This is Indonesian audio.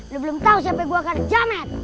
lu belum tau siapa yang gua kerja met